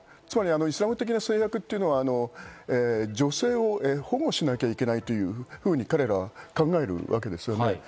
イスラム的な制約というのは、女性を保護しなきゃいけないというふうに彼らは考えるわけです。